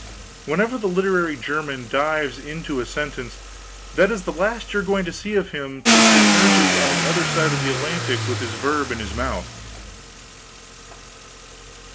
Whenever the literary German dives into a sentence, that is the last you are going to see of him till he emerges on the other side of his Atlantic with his verb in his mouth.